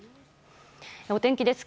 お天気です。